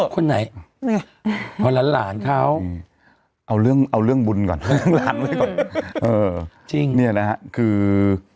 คนไหนพอล้านหลานเขาเอาเรื่องบุญก่อนหลานด้วยก่อนเนี่ยนะฮะคือ